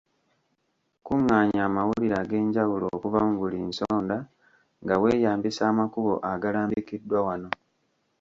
Kungaanya amawulire ag’enjawulo okuva mu buli nsonda nga weeyambisa amakubo agalambikiddwa wano.